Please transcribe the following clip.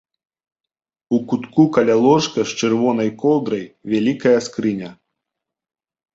У кутку каля ложка з чырвонай коўдрай вялікая скрыня.